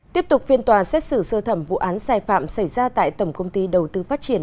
tiếp tục phiên tòa xét xử sơ thẩm vụ án sai phạm xảy ra tại tổng công ty đầu tư phát triển